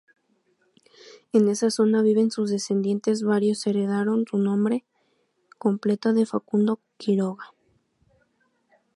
En esa zona viven sus descendientes, varios heredaron su nombre completo de Facundo Quiroga.